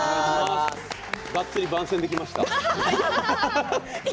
がっつり、番宣で来ました。